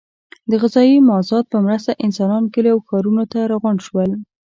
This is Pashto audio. د غذایي مازاد په مرسته انسانان کلیو او ښارونو ته راغونډ شول.